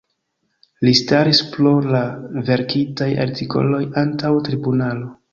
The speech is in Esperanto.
Li staris pro la verkitaj artikoloj antaŭ tribunalo.